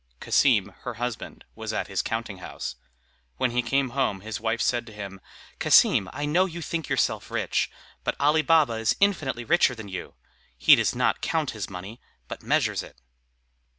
Cassim, her husband, was at his counting house. When he came home his wife said to him, "Cassim, I know you think yourself rich, but Ali Baba is infinitely richer than you. He does not count his money, but measures it."